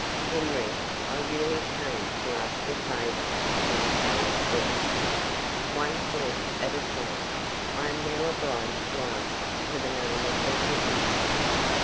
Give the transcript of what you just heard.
"Henry, I really came to ask a favour about Howards End." "One point at a time. I am now obliged to ask for the name of her seducer."